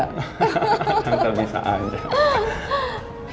tante bisa aja